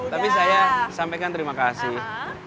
tapi saya sampaikan terima kasih